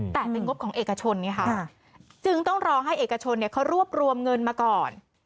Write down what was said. แต่เป็นงบของเอกชนไงค่ะจึงต้องรอให้เอกชนเขารวบรวมเงินมาก่อน